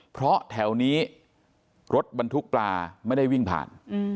เพราะแถวนี้รถบรรทุกปลาไม่ได้วิ่งผ่าน